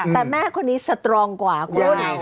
แต่แม่คนนี้สตรองกว่าคุณ